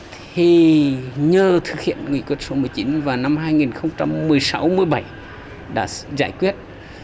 thì nhờ thực hiện nghị quyết số một mươi chín vào năm hai nghìn một mươi sáu một mươi bảy đã giải quyết